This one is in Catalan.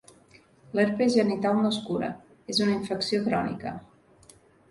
L'herpes genital no es cura; és una infecció crònica.